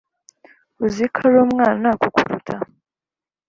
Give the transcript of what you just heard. uziko ari umwana kukuruta